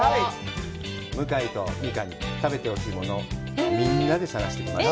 向井と美佳に食べてほしいものをみんなで探してきました。